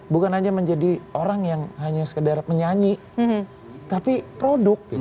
bukan hanya menjadi orang yang hanya sekedar menyanyi tapi produk